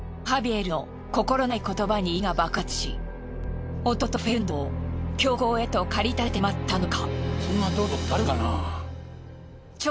ハビエルの心ない言葉に怒りが爆発し弟フェルナンドを凶行へと駆り立ててしまったのか。